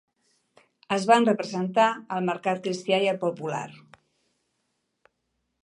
Es van representar al mercat cristià i al popular.